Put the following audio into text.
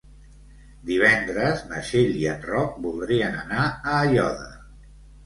Divendres na Txell i en Roc voldrien anar a Aiòder.